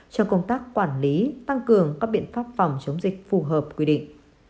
cho công tác quản lý tăng cường các biện pháp phòng chống dịch phù hợp quy định